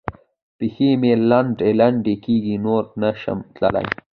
پښې مې لنډې لنډې کېږي؛ نور نه شم تلای.